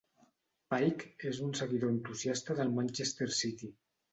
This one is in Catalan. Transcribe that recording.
Pike és un seguidor entusiasta del Manchester City.